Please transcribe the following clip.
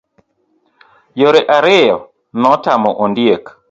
Yore ariyo notamo ondiek.